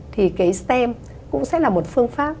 thì cái stem cũng sẽ là một phương pháp